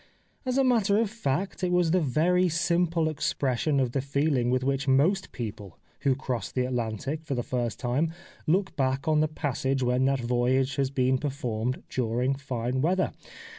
As a matter of fact it was the very simple expression of the feeUng with which most people who cross the Atlantic for the first time look back on the passage when that voyage has been performed during fine weather.